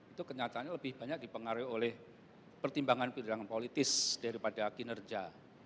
itu kenyataannya lebih banyak dipengaruhi oleh pertimbangan pertimbangan politis daripada kinerja